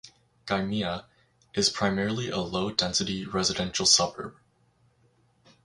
Gymea is primarily a low density, residential suburb.